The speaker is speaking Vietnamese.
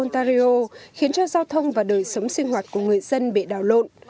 tuyết rơi dày của ontario khiến cho giao thông và đời sống sinh hoạt của người dân bị đào lộn